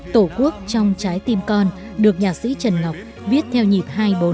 tổ quốc trong trái tim con được nhà sĩ trần ngọc viết theo nhịp hai mươi bốn